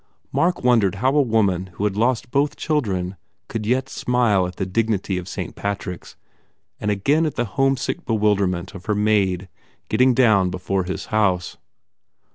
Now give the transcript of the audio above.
Mark wondered how a woman who had lost both children could yet smile at the dignity of Saint Patrick s and again at the homesick bewilder ment of her maid getting down before his house.